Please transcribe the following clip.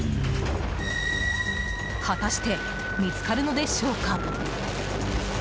果たして、見つかるのでしょうか。